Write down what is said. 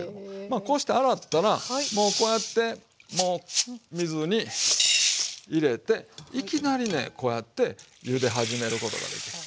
こうして洗ったらもうこうやってもう水に入れていきなりねこうやってゆで始めることができる。